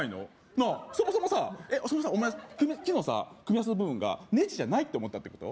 なあそもそもさお前木の組み合わせの部分がネジじゃないって思ったってこと？